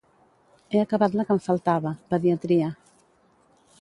He acabat la que em faltava, Pediatria.